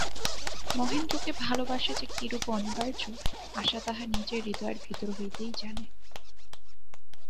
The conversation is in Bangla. মহেন্দ্রকে ভালোবাসা যে কিরূপ অনিবার্য, আশা তাহা নিজের হৃদয়ের ভিতর হইতেই জানে।